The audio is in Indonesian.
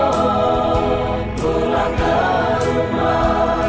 ho pulang ke rumah